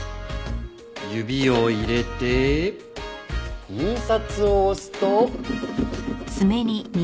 指を入れて「印刷」を押すと。